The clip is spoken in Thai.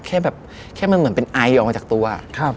แค่แบบแค่มันเหมือนเป็นไอออกมาจากตัว